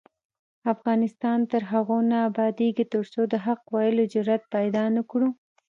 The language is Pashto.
افغانستان تر هغو نه ابادیږي، ترڅو د حق ویلو جرات پیدا نکړو.